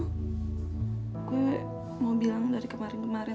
aku mau bilang dari kemarin kemarin